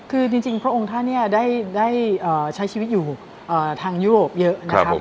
คือจริงพระองค์ท่านเนี่ยได้ใช้ชีวิตอยู่ทางยุโรปเยอะนะครับ